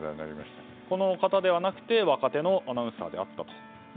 この方ではなくて若手のアナウンサーになったと。